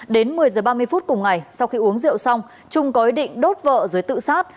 đến một mươi giờ ba mươi phút cùng ngày sau khi uống rượu xong trung có ý định đốt vợ rồi tự sát